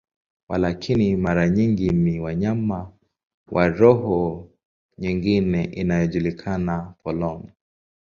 Walakini, mara nyingi ni mnyama wa roho nyingine inayojulikana, polong.